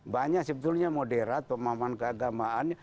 banyak sebetulnya moderat pemahaman keagamaan